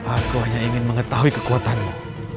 aku hanya ingin mengetahui kekuatanmu